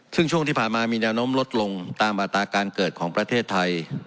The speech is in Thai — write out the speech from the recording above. ซึ่งช่วงที่ผ่านมามีแนวโน้มลดลงตามอัตราการเกิดของประเทศไทย